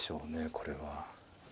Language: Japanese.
これは。